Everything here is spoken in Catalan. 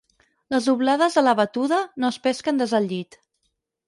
Les oblades a la batuda no es pesquen des del llit.